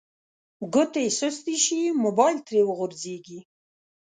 ګوتې سستې شي موبایل ترې وغورځیږي